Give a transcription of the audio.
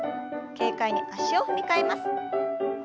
軽快に脚を踏み替えます。